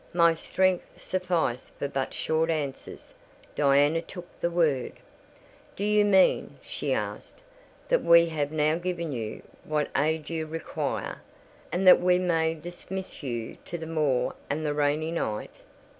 My strength sufficed for but short answers. Diana took the word— "Do you mean," she asked, "that we have now given you what aid you require? and that we may dismiss you to the moor and the rainy night?"